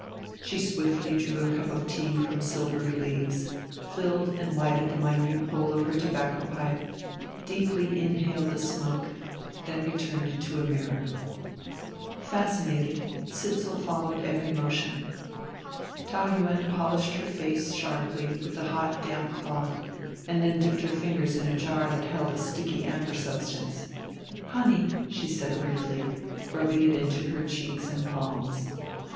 She swiftly drew a cup of tea from silvery leaves, filled and lighted the minute bowl of her tobacco pipe, deeply inhaled the smoke; then returned to a mirror. Fascinated, Sidsall followed every motion. Taou Yuen polished her face sharply with a hot damp cloth and then dipped her fingers in a jar that held a sticky amber substance. "Honey," she said briefly, rubbing it into her cheeks and palms.